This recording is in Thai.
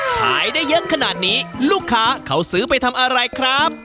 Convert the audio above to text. ขายได้เยอะขนาดนี้ลูกค้าเขาซื้อไปทำอะไรครับ